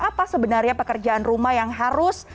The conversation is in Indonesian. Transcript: apa sebenarnya pekerjaan rumah yang harus